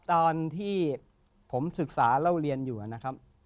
ตอนที่ผมศึกษาเล่าเรียนอยู่นะครับ